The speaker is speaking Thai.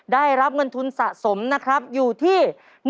ได้รับเงินทุนสะสมนะครับอยู่ที่